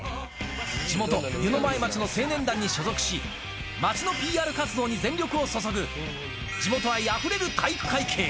地元、湯前町の青年団に所属し、町のＰＲ活動に全力を注ぐ、地元愛あふれる体育会系。